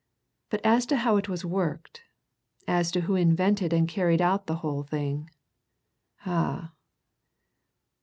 But as to how it was worked as to who invented and carried out the whole thing ah!"